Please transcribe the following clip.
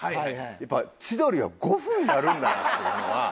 やっぱ千鳥は５分やるんだなっていうのは。